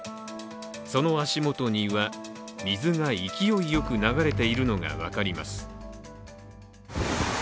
その足元には水が勢いよく流れているのが分かります。